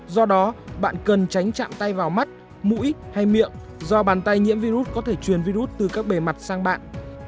do đó bạn cần tránh chạm tay vào mắt mũi hay miệng do bàn tay nhiễm virus có thể truyền virus từ các bề mặt sang bạn